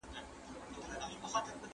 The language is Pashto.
کوم خلګ زموږ په ژوند کي مثبت بدلون راولي؟